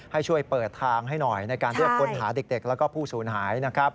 ให้ช่วยเปิดทางให้หน่อยในการเรียกค้นหาเด็กและผู้สูญหายนะครับ